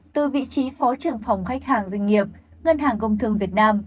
từ vị trí phó trưởng phòng khách hàng doanh nghiệp ngân hàng công thương việt nam